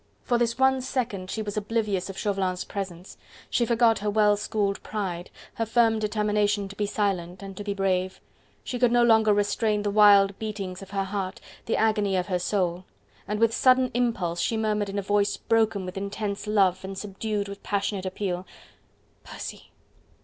For this one second she was oblivious of Chauvelin's presence, she forgot her well schooled pride, her firm determination to be silent and to be brave: she could no longer restrain the wild beatings of her heart, the agony of her soul, and with sudden impulse she murmured in a voice broken with intense love and subdued, passionate appeal: "Percy!"